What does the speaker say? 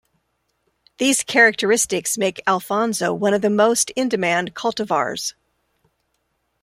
These characteristics make Alphonso one of the most in-demand cultivars.